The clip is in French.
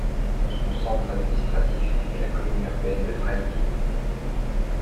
Son centre administratif est la commune urbaine de Drybine.